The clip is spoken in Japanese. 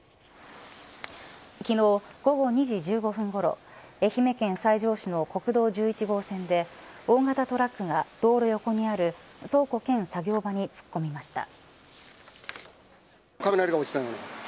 昨日、午後２時１５分ごろ愛媛県西条市の国道１１号線で大型トラックが道路横にある倉庫兼作業場に突っ込みました。